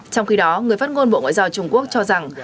trong khi đó người phát ngôn bộ ngoại giao trung quốc cho rằng